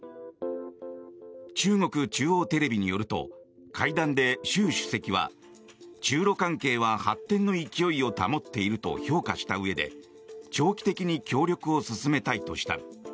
中国中央テレビによると会談で習主席は中ロ関係は発展の勢いを保っていると評価したうえで長期的に協力を進めたいとした。